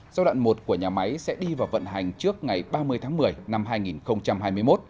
giai đoạn một của nhà máy sẽ đi vào vận hành trước ngày ba mươi tháng một mươi năm hai nghìn hai mươi một